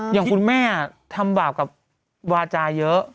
อย่างคุณแม่ทำบาปกับวาจาเยอะ